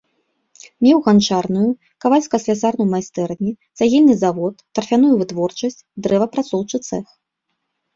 Меў ганчарную, кавальска-слясарную майстэрні, цагельны завод, тарфяную вытворчасць, дрэваапрацоўчы цэх.